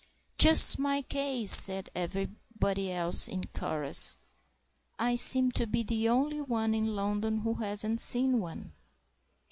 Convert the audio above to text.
"Just my case," said everybody else in chorus; "I seem to be the only one in London who hasn't seen one."